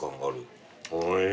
おいしい。